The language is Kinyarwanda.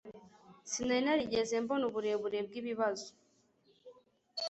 Sinari narigeze mbona uburemere bwibibazo.